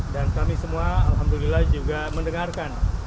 dan kami semua alhamdulillah juga mendengarkan